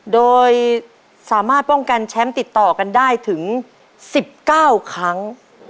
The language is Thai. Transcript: โดยสามารถป้องกันแชมป์ติดต่อกันได้ถึง๑๙ครั้ง